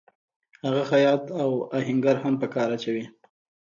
هغه خیاط او آهنګر هم په کار اچوي